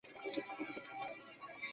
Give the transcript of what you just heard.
主要城镇为康布雷。